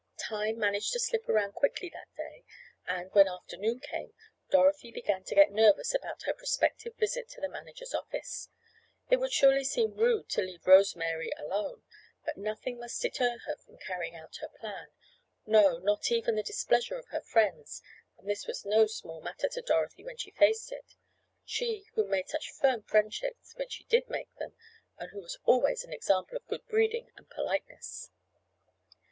Time managed to slip around quickly that day, and, when afternoon came, Dorothy began to get nervous about her prospective visit to the manager's office. It would surely seem rude to leave Rose Mary alone, but nothing must deter her from carrying out her plan—no, not even the displeasure of her friends, and this was no small matter to Dorothy when she faced it—she who made such firm friendships when she did make them, and who was always an example of good breeding and politeness.